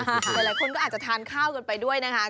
หลายคนก็อาจจะทานข้าวกันไปด้วยนะคะ